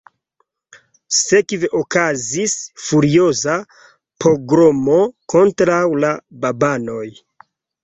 Sekve okazis furioza pogromo kontraŭ la babanoj.